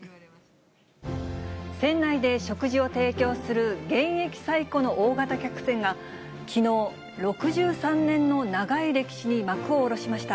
船内で食事を提供する現役最古の大型客船がきのう、６３年の長い歴史に幕を下ろしました。